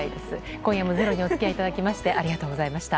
今夜も「ｚｅｒｏ」にお付き合いいただきましてありがとうございました。